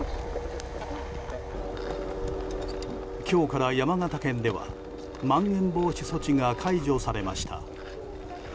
今日から山形県ではまん延防止措置が解除されました。